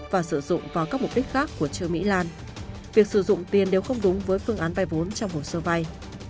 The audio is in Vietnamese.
và sử dụng vào các mục đích khác của trương mỹ lan việc sử dụng tiền đều không đúng với phương án vay vốn trong hồ sơ vay